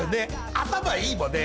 頭いいもんね